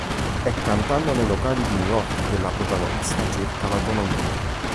È cantando nei locali di New York che la protagonista cerca l'autonomia.